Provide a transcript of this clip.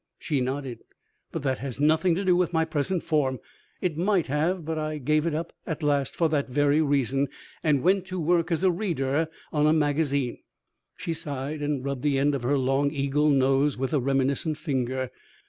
She nodded. "But that has nothing to do with my present form. It might have, but I gave it up at last for that very reason, and went to work as a reader on a magazine." She sighed, and rubbed the end of her long eagle nose with a reminiscent finger.